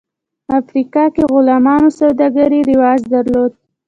افریقا کې غلامانو سوداګري رواج درلود.